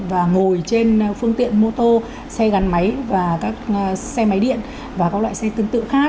và ngồi trên phương tiện mô tô xe gắn máy và các xe máy điện và các loại xe tương tự khác